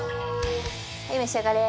はい召し上がれ。